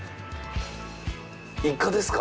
イカですか？